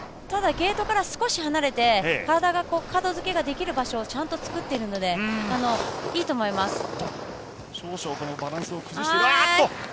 ただゲートから少し離れて体が、角度付けできる場所をちゃんと作っているのでいいです。